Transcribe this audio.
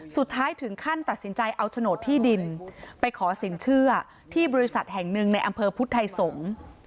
สุดท้ายถึงขั้นตัดสินใจเอาโฉนดที่ดินไปขอสินเชื่อที่บริษัทแห่งหนึ่งในอำเภอพุทธไทยสงฆ์